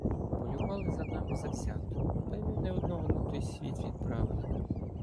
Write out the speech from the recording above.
Полювали за нами завзято — та й ми не одного на той світ відправили.